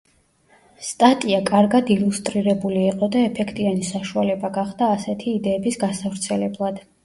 სტატია კარგად ილუსტრირებული იყო და ეფექტიანი საშუალება გახდა ასეთი იდეების გასავრცელებლად.